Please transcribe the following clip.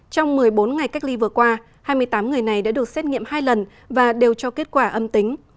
trong một mươi bốn ngày cách ly vừa qua hai mươi tám người này đã được xét nghiệm hai lần và đều cho kết quả âm tính